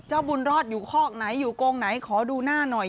บุญรอดอยู่คอกไหนอยู่โกงไหนขอดูหน้าหน่อย